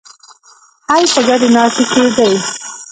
حل په ګډې ناستې کې دی.